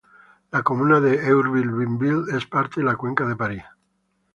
La comuna de "Eurville-Bienville" es parte de la cuenca de París.